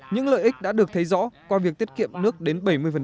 những lợi ích đã được thấy rõ qua việc tiết kiệm nước đến bảy mươi